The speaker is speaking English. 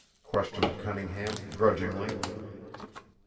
questioned Cunningham, grudgingly.